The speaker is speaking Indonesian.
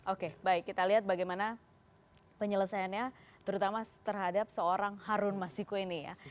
oke baik kita lihat bagaimana penyelesaiannya terutama terhadap seorang harun masiku ini ya